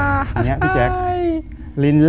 คือก่อนอื่นพี่แจ็คผมได้ตั้งชื่อ